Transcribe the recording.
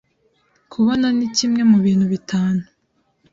Kubona ni kimwe mu bintu bitanu.